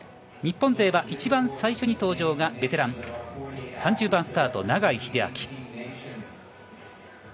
日本勢の一番最初に登場がベテラン、３０番スタート永井秀昭。